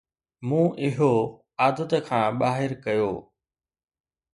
مون اهو عادت کان ٻاهر ڪيو